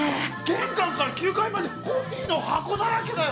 玄関から９階までコピーの箱だらけだよ。